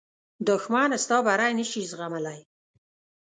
دښمن ستا بری نه شي زغملی